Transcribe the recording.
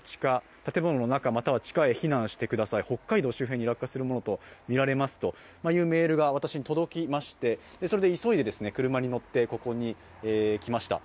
建物の中または地下へ避難してください、北海道周辺に落下するものとみられますというメールが届きまして、それで急いで車に乗ってここに来ました。